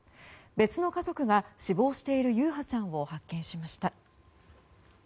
別の家族が死亡している優陽ちゃんを発見しました。